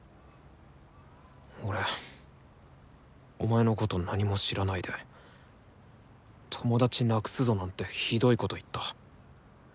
俺お前のこと何も知らないで「友達なくすぞ」なんてひどいこと言った。